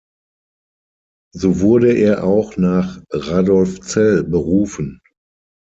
So wurde er auch nach Radolfzell berufen.